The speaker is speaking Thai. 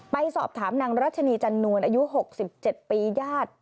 ไปสอบถามนางรัชนีจันนวลอายุ๖๗ปีญาติ